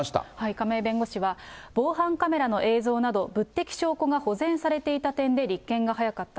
亀井弁護士は、防犯カメラの映像など、物的証拠が保全されていた点で、立件が早かった。